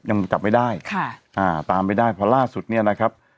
ยังจับไม่ได้ค่ะอ่าตามไม่ได้เพราะล่าสุดเนี่ยนะครับ